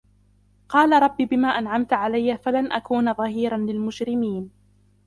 قال رب بما أنعمت علي فلن أكون ظهيرا للمجرمين